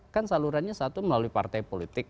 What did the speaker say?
kan salurannya satu melalui partai politik